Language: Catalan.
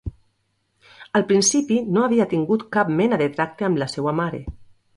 Al principi, no havia tingut cap mena de tracte amb la seua mare.